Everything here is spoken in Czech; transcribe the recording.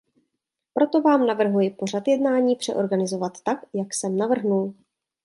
Proto vám navrhuji pořad jednání přeorganizovat tak, jak jsem navrhnul.